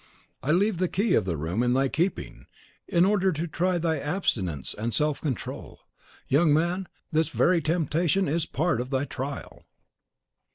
I leave the key of the room in thy keeping, in order to try thy abstinence and self control. Young man, this very temptation is a part of thy trial."